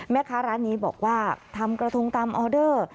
แม่ค้าร้านนี้บอกว่าทำกระทงตามออเดอร์